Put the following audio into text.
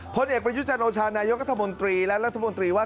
ผลเอกประยุจันโอชานายกรัฐมนตรีและรัฐมนตรีว่า